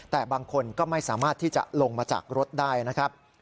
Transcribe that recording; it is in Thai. แต่บางคนก็ไม่สามารถที่จะลงมาจากรถได้นะครับ